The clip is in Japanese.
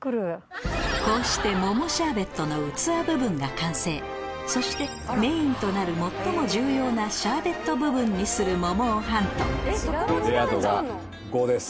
こうして桃シャーベットの器部分が完成そしてメインとなる最も重要なシャーベット部分にする桃をハントレア度が５です。